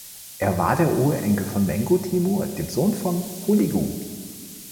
Er war der Urenkel von Mengu Timur, dem Sohn von Hulegu.